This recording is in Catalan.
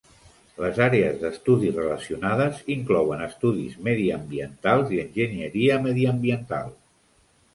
Les àrees d"estudi relacionades inclouen estudis mediambientals i enginyeria mediambiental.